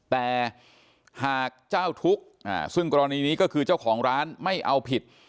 แต่หากเจ้าทุกข์ซึ่งกรณีนี้ก็คือเจ้าของร้านไม่เอาผิด